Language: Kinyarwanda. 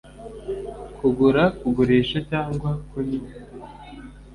kugura kugurisha cyangwa kunywa